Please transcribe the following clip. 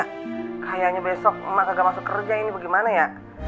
kayaknya besok emak gak masuk kerja ini bagaimana ya